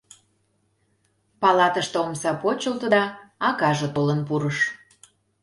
Палатыште омса почылто да акаже толын пурыш.